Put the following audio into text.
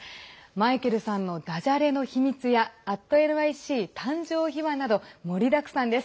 マイケルさんのだじゃれの秘密や「＠ｎｙｃ」誕生秘話など盛りだくさんです。